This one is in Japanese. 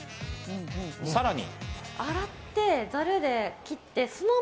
さらに。